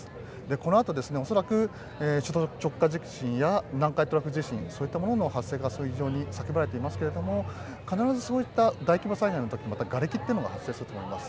このあと恐らく首都直下地震や南海トラフ地震、そういったものも発生が叫ばれていますけれども必ずそういった大規模災害のときに、がれきが発生すると思います。